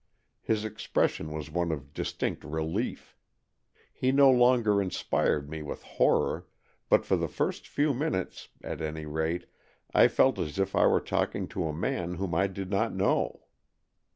His expression was one of distinct relief. He no longer inspired me with horror, but for the first few minutes, at any rate, I felt as if I were talking to a man whom I did not know.